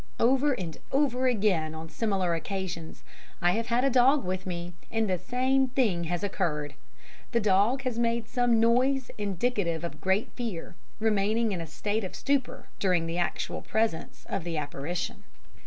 Over and over again, on similar occasions, I have had a dog with me, and the same thing has occurred the dog has made some noise indicative of great fear, remaining in a state of stupor during the actual presence of the apparition.